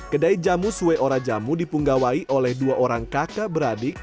kedai jamu sue ora jamu dipunggawai oleh dua orang kakak beradik